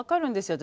私。